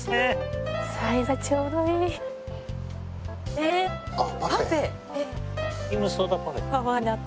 えっ！？